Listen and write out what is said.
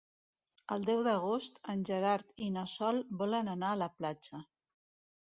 El deu d'agost en Gerard i na Sol volen anar a la platja.